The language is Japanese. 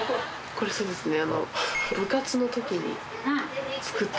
これそうですね。